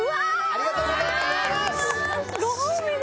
ありがとうございますご褒美だ！